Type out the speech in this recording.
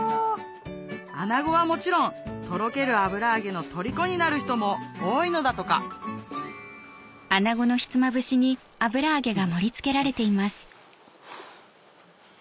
穴子はもちろんとろける油揚げのとりこになる人も多いのだとかフフ。